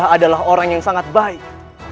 ibu nda adalah orang yang sangat baik